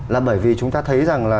là bởi vì chúng ta thấy rằng là